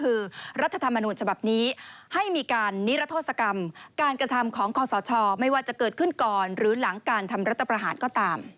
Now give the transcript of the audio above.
คือรัฐธรรมนูญฉบับนี้ให้มีการนิรโทษกรรมการกระทำของคอสชไม่ว่าจะเกิดขึ้นก่อนหรือหลังการทำรัฐประหารก็ตาม